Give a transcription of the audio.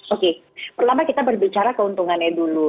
oke pertama kita berbicara keuntungannya dulu